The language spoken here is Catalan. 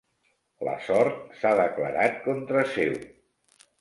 La sort s'ha declarat contra seu.